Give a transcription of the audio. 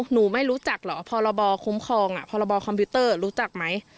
ไม่รู้จักเหรอพรบคุ้มครองพรบคอมพิวเตอร์รู้จักไหม